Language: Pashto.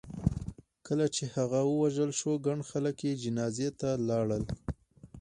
کله چې هغه ووژل شو ګڼ خلک یې جنازې ته لاړل.